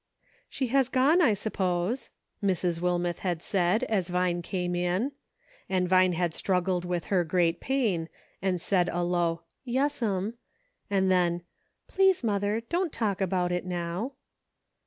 " She has gone, I suppose," Mrs. Wilmeth had said, as Vine came in ; and Vine had struggled with her great pain and said a low " Yes'm," and then "Please, mother, don't talk about it now."